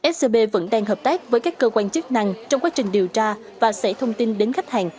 scb vẫn đang hợp tác với các cơ quan chức năng trong quá trình điều tra và sẻ thông tin đến khách hàng